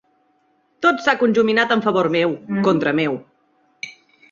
Tot s'ha conjuminat en favor meu, contra meu.